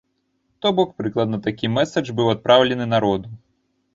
То бок прыкладна такі мэсадж быў адпраўлены народу.